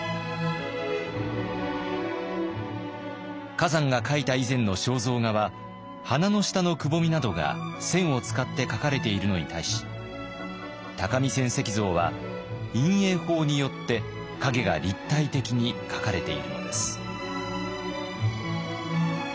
崋山が描いた以前の肖像画は鼻の下のくぼみなどが線を使って描かれているのに対し「鷹見泉石像」は陰影法によって影が立体的に描かれているのです。